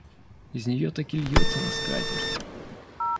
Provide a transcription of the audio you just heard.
Из неё так и льется на скатерть.